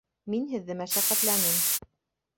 Мин һеҙҙе мәшәҡәтләнем.